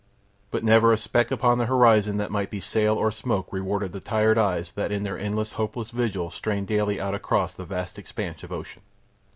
But never a speck upon the horizon that might be sail or smoke rewarded the tired eyes that in their endless, hopeless vigil strained daily out across the vast expanse of ocean.